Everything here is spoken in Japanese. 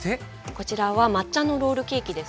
こちらは抹茶のロールケーキですね。